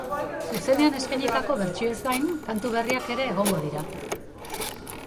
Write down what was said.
Zuzenean eskainitako bertsioez gain kantu berriak ere egongo dira.